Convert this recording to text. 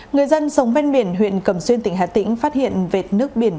người dân sống ven biển huyện cầm xuyên tỉnh hà tĩnh phát hiện vệt nước biển